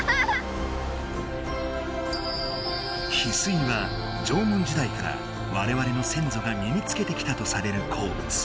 ヒスイは縄文時代からわれわれの先祖がみにつけてきたとされる鉱物。